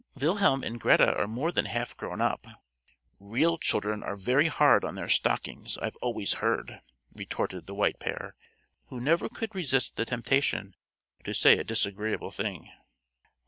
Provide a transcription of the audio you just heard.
Wilhelm and Greta are more than half grown up." "Real children are very hard on their stockings, I've always heard," retorted the White Pair, who never could resist the temptation to say a disagreeable thing.